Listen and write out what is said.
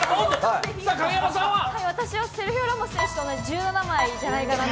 私はセルヒオ・ラモス選手と同じ１７枚じゃないかなと。